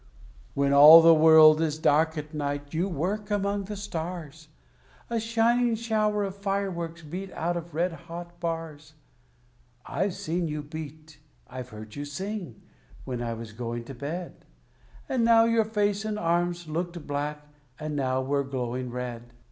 When all the world is dark at night, you work among the stars, A shining shower of fireworks beat out of red hot bars. I've seen you beat, I've heard you sing, when I was going to bed; And now your face and arms looked black, and now were glowing red.